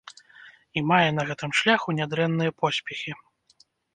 І мае на гэтым шляху нядрэнныя поспехі.